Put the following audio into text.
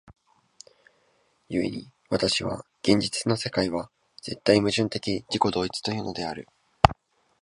故に私は現実の世界は絶対矛盾的自己同一というのである。